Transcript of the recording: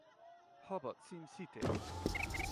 Herbert Simms City